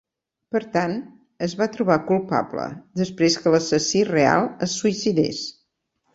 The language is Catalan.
Per tant, es va trobar culpable, després que l"assassí real es suïcidés.